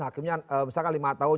hakimnya misalkan lima tahun